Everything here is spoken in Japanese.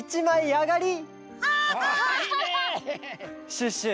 シュッシュ！